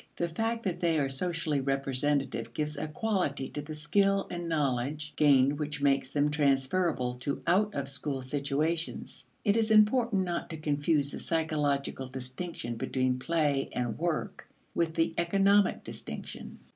The fact that they are socially representative gives a quality to the skill and knowledge gained which makes them transferable to out of school situations. It is important not to confuse the psychological distinction between play and work with the economic distinction.